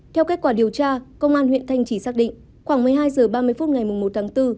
theo kết quả điều tra công an huyện thanh trì xác định khoảng một mươi hai h ba mươi phút ngày một tháng bốn